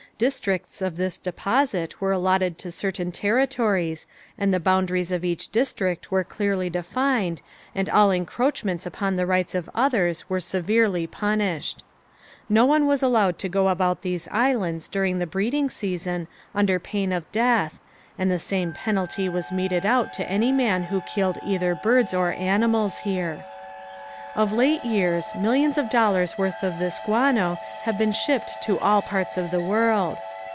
Districts of this deposit were allotted to certain territories and the boundaries of each district were clearly defined and all encroachments upon the rights of others were severely punished. No one was allowed to go about these islands during the breeding season under pain of death and the same penalty was meted out to any man who killed either birds or animals here. Of late years millions of dollars worth of this guano have been shipped to all parts of the world.